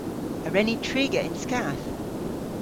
A wren ni triga yn skath?